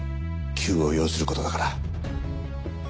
急を要することだから。